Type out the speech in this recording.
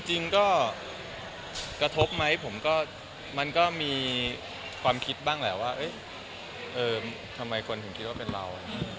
จริงก็กระทบไหมผมก็มันก็มีความคิดบ้างแหละว่าทำไมคนถึงคิดว่าเป็นเรา